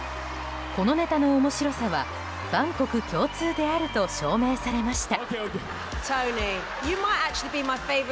このネタの面白さは万国共通であると証明されました。